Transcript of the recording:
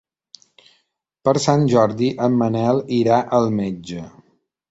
Per Sant Jordi en Manel irà al metge.